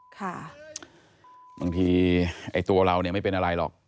บางทีตัวเราไม่เป็นอะไรหรอก